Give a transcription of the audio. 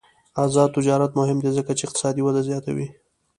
آزاد تجارت مهم دی ځکه چې اقتصادي وده زیاتوي.